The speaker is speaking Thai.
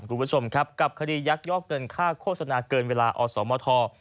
คุณผู้ชมครับกับคดียักยอกเงินค่าโฆษณาเกินเวลาอสมท